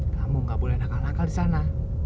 kamu gak boleh nakal nakal disana